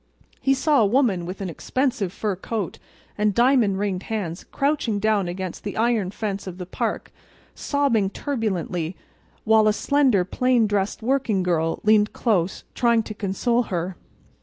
He saw a woman with an expensive fur coat, and diamond ringed hands crouching down against the iron fence of the park sobbing turbulently, while a slender, plainly dressed working girl leaned close, trying to console her.